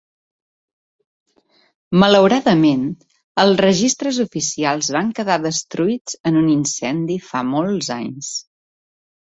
Malauradament, els registres oficials van quedar destruïts en un incendi fa molts anys.